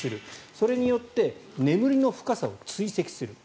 それによって眠りの深さを追跡する。